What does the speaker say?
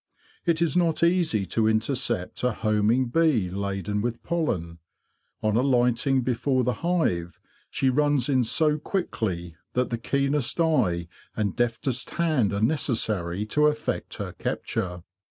It is not easy to intercept a homing bee laden with pollen. On alighting before the hive she runs in so quickly that the keenest eye and deftest hand are necessary to effect her capture.